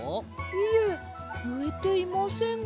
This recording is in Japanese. いえうえていませんが。